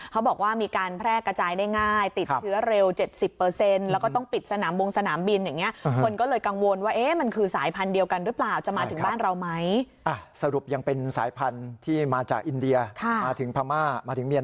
เขาบอกว่ามีการแพร่กระจายได้ง่ายติดเชื้อเร็ว๗๐แล้วก็ต้องปิดสนามบงสนามบินอย่างนี้